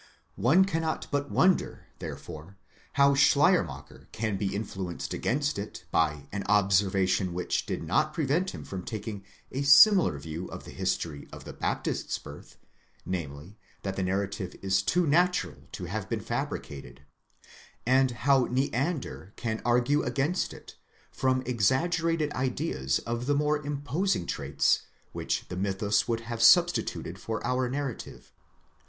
One cannot but wonder, therefore, how Schleiermacher can be influenced against it by an observation which did not prevent him from taking a similar view of the history of the Baptist's birth, namely, that the narrative is too natural to have been fabricated'; and how Neander can argue against it, from exaggerated ideas of the more imposing traits which the mythus would have substituted for our narrative.